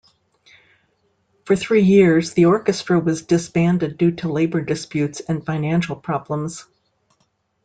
For three years, the orchestra was disbanded due to labor disputes and financial problems.